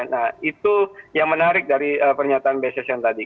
nah itu yang menarik dari pernyataan bss yang tadi